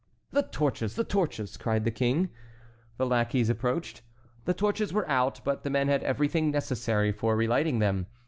"The torches! the torches!" cried the King. The lackeys approached. The torches were out, but the men had everything necessary for relighting them.